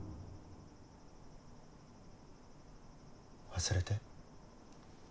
忘れて。